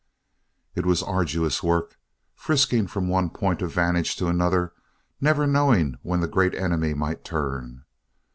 It was arduous work, frisking from one point of vantage to another, never knowing when the Great Enemy might turn.